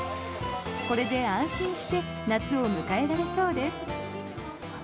これで安心して夏を迎えられそうです。